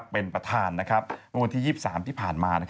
เป็นประธานเมื่อวันที่๒๓ที่ผ่านมา